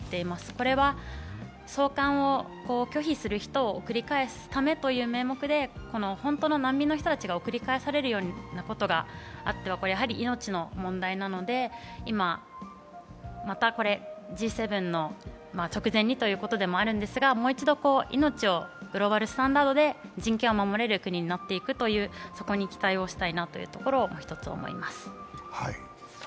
これは送還を拒否する人を繰り返すということの名目でこの本当の難民の人たちが送り返させるということがあったらやはり命の問題なので、今またＧ７の直前にということもあるんですが、もう一度命をグローバルスタンダードで人権を守れる国になっていく、そこに期待したいなと１つ、思います。